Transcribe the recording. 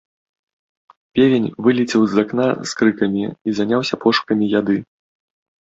Певень вылецеў з акна з крыкам і заняўся пошукамі яды.